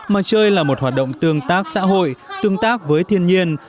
mà chơi là một hoạt động tương tác xã hội tương tác với thiên nhiên